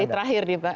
di terakhir nih mbak